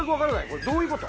これどういうこと？